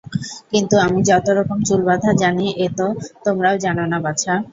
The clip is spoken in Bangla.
কিন্তু আমি যতরকম চুল-বাঁধা জানি এত তোমরাও জান না বাছা।